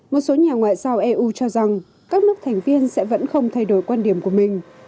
một số nhà ngoại giao eu cho rằng các nước thành viên sẽ vẫn không thay đổi quan điểm của mình